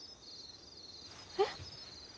えっ？